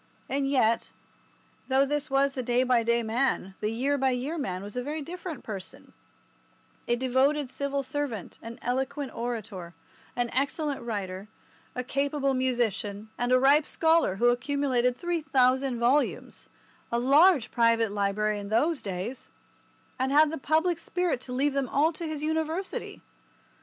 And yet, though this was the day by day man, the year by year man was a very different person, a devoted civil servant, an eloquent orator, an excellent writer, a capable musician, and a ripe scholar who accumulated 3000 volumes—a large private library in those days—and had the public spirit to leave them all to his University.